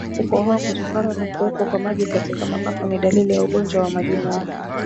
Kukohoa kutokana na kuwepo kwa maji katika mapafu ni dalili ya ugonjwa wa majimoyo